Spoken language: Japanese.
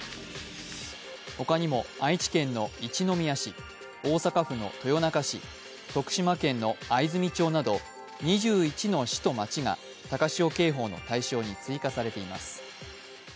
他にも愛知県の一宮市大阪府の豊中市徳島県の藍住町など２１の市と町が高潮警報の対象に追加されています。